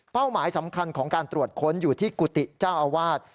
หมายสำคัญของการตรวจค้นอยู่ที่กุฏิเจ้าอาวาส